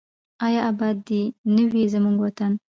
آیا اباد دې نه وي زموږ وطن؟